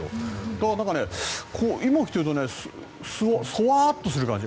だから、今着ているとソワーッとする感じ。